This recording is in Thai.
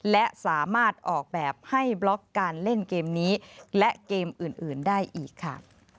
และสามารถออกแบบให้บล็อกการเล่นเกมนี้และเกมอื่นได้อีกค่ะ